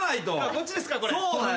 こっちですかこれ。